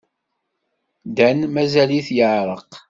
Dan mazal-it yeɛreq.